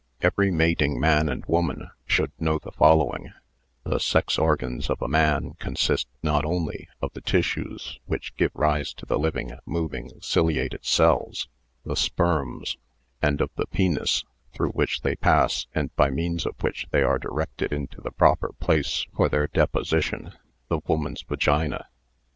Every mating man and woman should know the fol lowing : The sex organs of a man consist not only of the tissues which give rise to the living, moving, ciliated cells, the sperms, and of the penis through which they pass and by means of which they are directed into the proper place for their deposition, the woman's vagina.